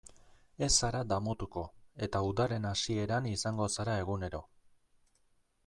Ez zara damutuko, eta udaren hasieran izango zara egunero.